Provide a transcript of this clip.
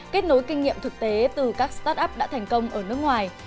kết nối kinh nghiệm thực tế từ các start up đã thành công ở nước ngoài